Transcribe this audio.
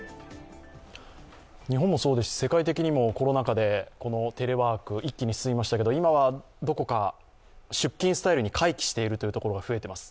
日本もそうですし、世界的にもコロナ禍でテレワーク、一気に進みましたけれども、今はどこか出勤スタイルに回帰しているところが増えています。